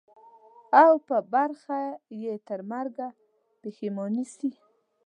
او په برخه یې ترمرګه پښېماني سي.